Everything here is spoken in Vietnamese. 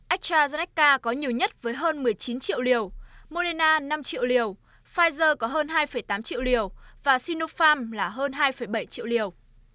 astrazk có nhiều nhất với hơn một mươi chín triệu liều morina năm triệu liều pfizer có hơn hai tám triệu liều và sinofarm là hơn hai bảy triệu liều